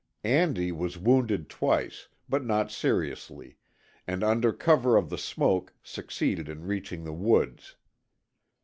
Andy was wounded twice, but not seriously, and under cover of the smoke succeeded in reaching the woods.